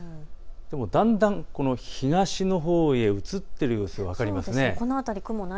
だんだん東のほうへ移っている様子、分かりますよね。